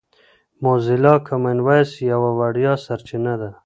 موزیلا کامن وایس یوه وړیا سرچینه ده.